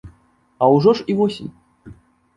А ўжо ж і восень.